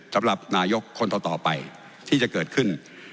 สำหรับนายกคนต่อไปที่จะเกิดขึ้น